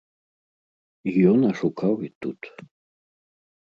Ён ашукаў і тут.